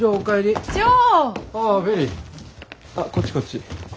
あっこっちこっち。